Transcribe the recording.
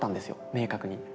明確に。